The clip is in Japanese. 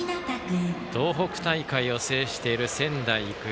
東北大会を制している仙台育英。